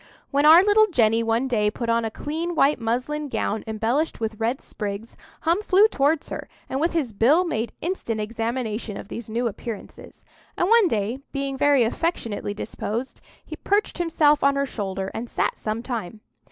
When our little Jenny one day put on a clean white muslin gown embellished with red sprigs, Hum flew towards her, and with his bill made instant examination of these new appearances; and one day, being very affectionately disposed, perched himself on her shoulder, and sat some time.